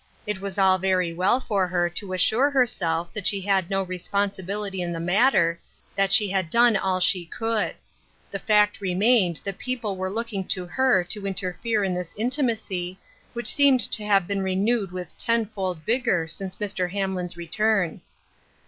It was all very well for her to assure herself that she had no responsibility in the matter, that she had done all she could ; the fact remained that people were looking to her to interfere in this intimacy, which seemed to have been renewed with tenfold vigor since Mr. Hamlin's return.